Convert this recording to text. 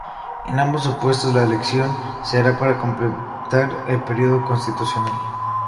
En ambos supuestos, la elección se hará para completar el período constitucional.